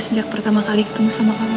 sejak pertama kali ketemu sama kami